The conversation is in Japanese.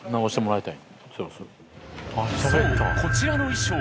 ［そうこちらの衣装］